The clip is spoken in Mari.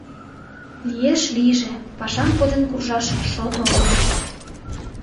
— Лиеш — лийже, пашам коден куржаш — шот огыл.